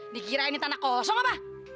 dikira ini tanah kosong apa